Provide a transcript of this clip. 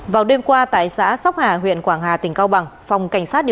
vào đêm qua tại xã sóc hà huyện quảng hà tỉnh cao bằng